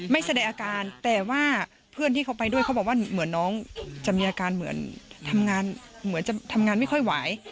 แสดงอาการแต่ว่าเพื่อนที่เขาไปด้วยเขาบอกว่าเหมือนน้องจะมีอาการเหมือนทำงานเหมือนจะทำงานไม่ค่อยไหว